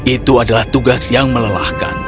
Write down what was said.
itu adalah tugas yang melelahkan